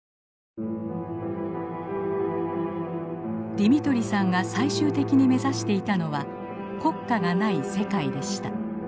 ディミトリさんが最終的に目指していたのは国家がない世界でした。